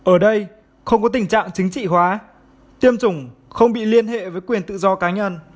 ở đây không có tình trạng chính trị hóa tiêm chủng không bị liên hệ với quyền tự do cá nhân